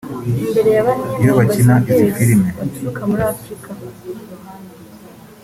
Iyo bakina izi filimi